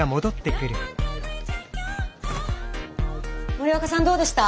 森若さんどうでした？